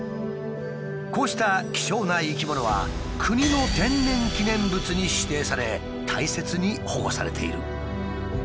こうした希少な生き物は国の天然記念物に指定され大切に保護されている。